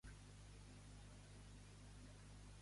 Em pots informar de l'adreça a l'oficina jove de Montblanc?